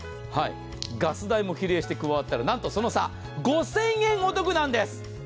ガス代も比例して加わったら、なんと合計５０００円お得なんです。